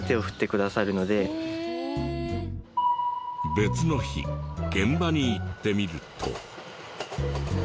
別の日現場に行ってみると。